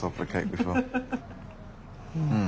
うん。